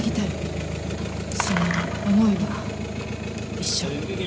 その思いは一緒